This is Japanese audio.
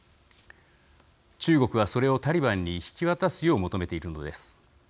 中国は、それをタリバンに引き渡すよう求めているのです。